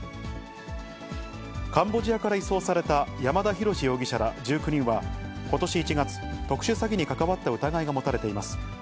カンボジアから移送された山田大志容疑者ら１９人は、ことし１月、特殊詐欺に関わった疑いが持たれています。